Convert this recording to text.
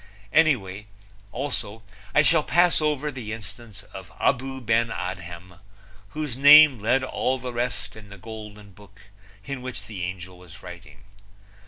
Also, I shall pass over the instance of Abou Ben Adhem, whose name led all the rest in the golden book in which the angel was writing.